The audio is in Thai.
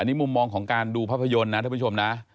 นี่มุมมองของการดูภาพยนตร์นะท่านผู้ชมนะ